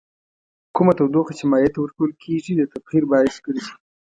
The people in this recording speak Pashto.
کومه تودوخه چې مایع ته ورکول کیږي د تبخیر باعث ګرځي.